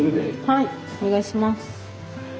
はいお願いします。